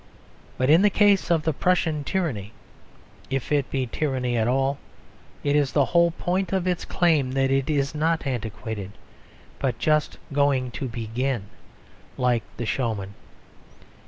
But in the case of the Prussian tyranny, if it be tyranny at all, it is the whole point of its claim that it is not antiquated, but just going to begin, like the showman.